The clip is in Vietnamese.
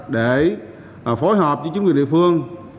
để phối hợp với chính quyền địa phương